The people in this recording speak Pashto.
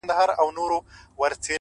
د زړه صفا د فکر صفا پیاوړې کوي,